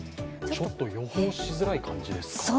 ちょっと予報しづらい感じですか？